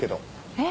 えっ？